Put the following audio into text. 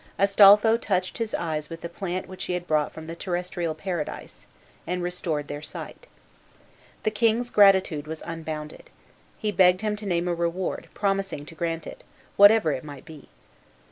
Astolpho touched his eyes with the plant which he had brought from the terrestrial paradise, and restored their sight. The king's gratitude was unbounded. He begged him to name a reward, promising to grant it, whatever it might be.